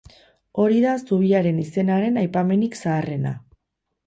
Hori da zubiaren izenaren aipamenik zaharrena.